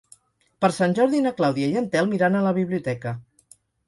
Per Sant Jordi na Clàudia i en Telm iran a la biblioteca.